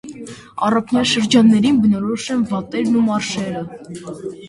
Առափնյա շրջաններին բնորոշ են վատտերն ու մարշերը։